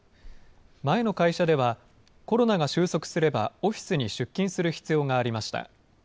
前の会社では、コロナが収束すれば、オフィスに出勤する必要がありました。